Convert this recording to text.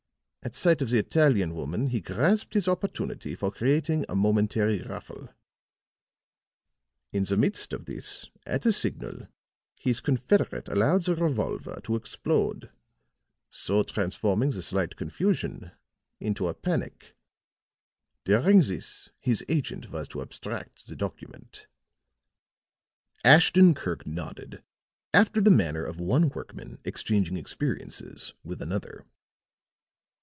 At sight of the Italian woman he grasped his opportunity for creating a momentary ruffle; in the midst of this, at a signal, his confederate allowed the revolver to explode, so transforming the slight confusion into a panic. During this his agent was to abstract the document." Ashton Kirk nodded, after the manner of one workman exchanging experiences with another.